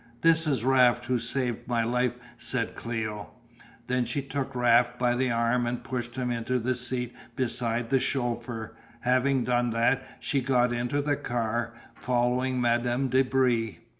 "This is Raft who saved my life," said Cléo. Then she took Raft by the arm and pushed him into the seat beside the chauffeur; having done that, she got into the car, following Madame de Brie.